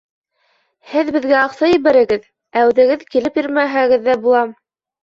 — Һеҙ беҙгә аҡса ебәрегеҙ, ә үҙегеҙ килеп йөрөмәһәгеҙ ҙә була!